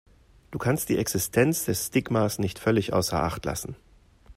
Du kannst die Existenz des Stigmas nicht völlig außer Acht lassen.